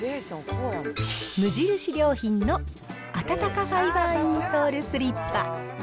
無印良品のあたたかファイバーインソールスリッパ。